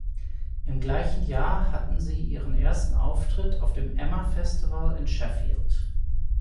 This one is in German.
Im gleichen Jahr hatten sie ihren ersten Auftritt auf dem Emma-Festival in Sheffield.